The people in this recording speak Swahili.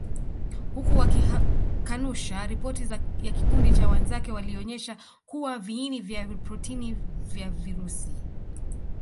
Huku wakikanusha ripoti ya kikundi cha wenzake walionyesha kuwa viini vya protini vya virusi